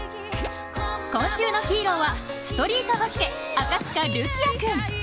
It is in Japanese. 今週のヒーローは、ストリートバスケ・赤塚琉輝亜君。